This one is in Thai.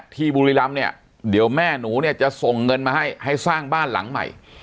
บุรีรำเนี่ยเดี๋ยวแม่หนูเนี่ยจะส่งเงินมาให้ให้สร้างบ้านหลังใหม่